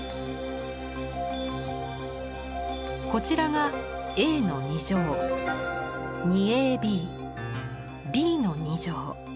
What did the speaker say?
こちらがＡの２乗２ＡＢＢの２乗。